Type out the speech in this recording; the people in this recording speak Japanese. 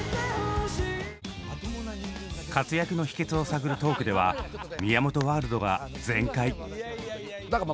活躍の秘けつを探るトークでは宮本ワールドが全開！